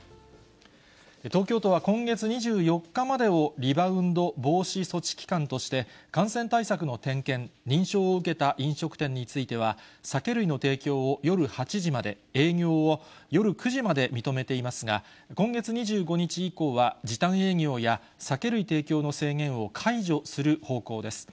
東京都は今月２４日までをリバウンド防止措置期間として、感染対策の点検、認証を受けた飲食店については、酒類の提供を夜８時まで、営業を夜９時まで認めていますが、今月２５日以降は、時短営業や酒類提供の制限を解除する方向です。